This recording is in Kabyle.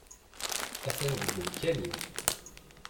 Atan deg umkan-iw.